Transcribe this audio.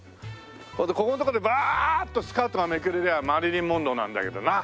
それでここのとこでバーッとスカートがめくれりゃマリリン・モンローなんだけどな。